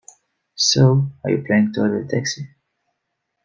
So, are you planning to order a taxi?